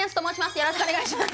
よろしくお願いします